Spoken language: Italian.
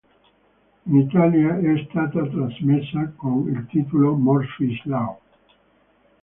In Italia è stata trasmessa con il titolo "Murphy's Law".